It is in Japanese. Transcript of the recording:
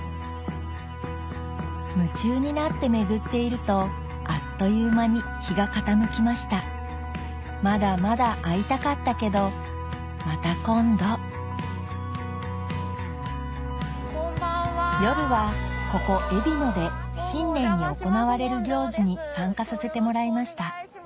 夢中になって巡っているとあっという間に日が傾きましたまだまだ会いたかったけどまた今度夜はここえびので新年に行われる行事に参加させてもらいました